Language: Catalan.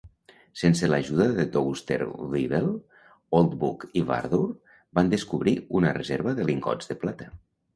Sense l'ajuda de Dousterswivel, Oldbuck i Wardour van descobrir una reserva de lingots de plata.